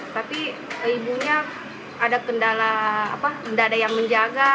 tapi ibunya ada kendala dada yang menjaga